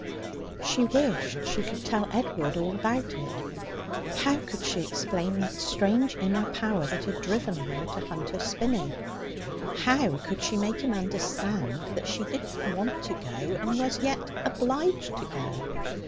She wished she could tell Edward all about it. But how could she explain that strange inner power that had driven her to Hunter's Spinney? How could she make him understand that she did not want to go, and was yet obliged to go?